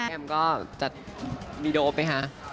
แอมก็จะมีโดปไหมคะ